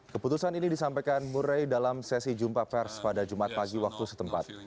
keputusan ini disampaikan murai dalam sesi jumpa pers pada jumat pagi waktu setempat